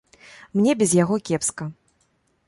Мне без яго кепска.